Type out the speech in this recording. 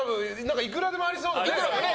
いくらでもありそう。